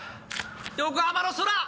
横浜の空。